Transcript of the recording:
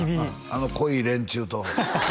あの濃い連中と？